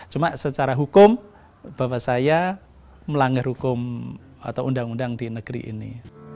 cuma secara hukum bahwa saya melanggar hukum atau undang undang di negeri ini